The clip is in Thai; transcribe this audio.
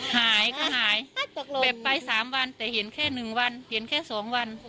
หายก็หายไปสามวันแต่เห็นแค่หนึ่งวันเห็นแค่สองวัน